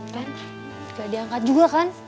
kan gak ada yang angkat juga kan